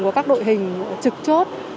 và các đội hình trực chốt